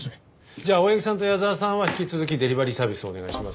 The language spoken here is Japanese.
じゃあ青柳さんと矢沢さんは引き続きデリバリーサービスをお願いします。